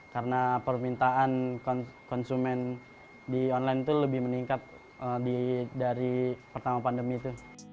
karena permintaan konsumen di online itu lebih meningkat dari pertama pandemi itu